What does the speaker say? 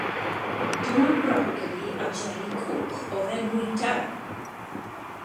Dim ond brocoli a jeli coch oedd e'n bwyta.